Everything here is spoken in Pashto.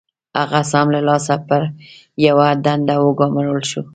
هغه سم له لاسه پر يوه دنده وګومارل شو.